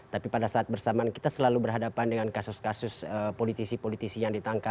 tapi pada saat bersamaan kita selalu berhadapan dengan kasus kasus politisi politisi yang ditangkap